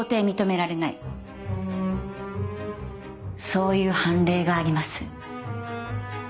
そういう判例があります。